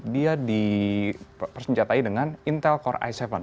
dia dipersenjatai dengan intel core i tujuh